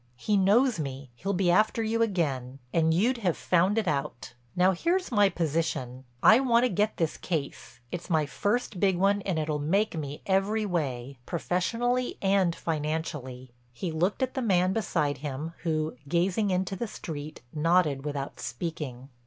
He knows me, he'll be after you again, and you'd have found it out. Now, here's my position: I want to get this case; it's my first big one and it'll make me every way—professionally and financially." He looked at the man beside him who, gazing into the street, nodded without speaking.